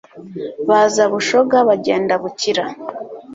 Baza Bushoga bagenda Bukira